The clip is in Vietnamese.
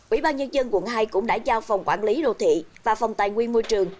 ủy ban nhân dân quận hai cũng đã giao phòng quản lý đô thị và phòng tài nguyên môi trường